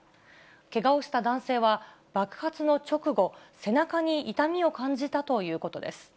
けがをした男性は、爆発の直後、背中に痛みを感じたということです。